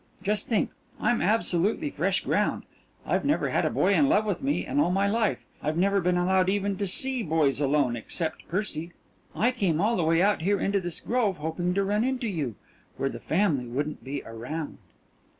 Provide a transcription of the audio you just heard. Just think I'm absolutely fresh ground. I've never had a boy in love with me in all my life. I've never been allowed even to see boys alone except Percy. I came all the way out here into this grove hoping to run into you, where the family wouldn't be around."